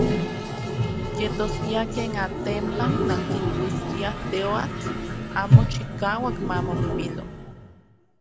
Yetoskia ken, atenpa, nankiluiskiaj teoatl amo chikauak mamomimilo.